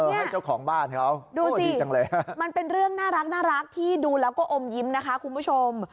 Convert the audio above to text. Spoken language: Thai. ให้เจ้าของบ้านเขาดูสิจังเลยมันเป็นเรื่องน่ารักที่ดูแล้วก็อมยิ้มนะคะคุณผู้ชม